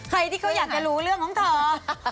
ใครที่เขาอยากจะรู้เรื่องของเธอ